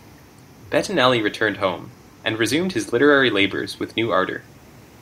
Bettinelli returned home, and resumed his literary labours with new ardor.